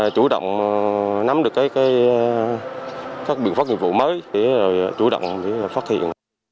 chủ động nắm được các biện pháp nghiệp vụ mới để chủ động phát hiện